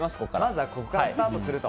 まずはここからスタートと。